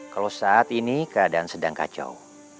kalau saat ini keadaan sedang kacau